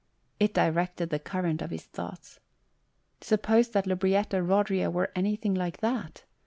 It directed the current of his thoughts. Suppose that Lubrietta Rodria were anything like that